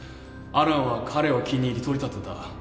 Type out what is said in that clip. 安蘭は彼を気に入り取り立てた。